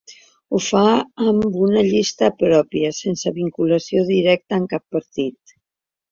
Ho fa amb una llista pròpia, sense vinculació directa amb cap partit.